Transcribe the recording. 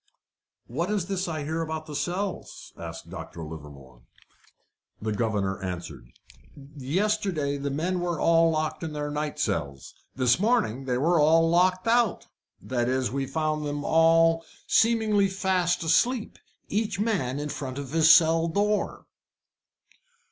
"What is this I hear about the cells?" asked Dr. Livermore. The governor answered: "Yesterday the men were all locked in their night cells. This morning they were all locked out that is, we found them all seemingly fast asleep, each man in front of his cell door."